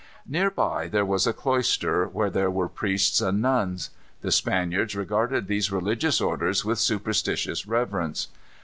Near by there was a cloister, where there were priests and nuns. The Spaniards regarded these religious orders with superstitious reverence.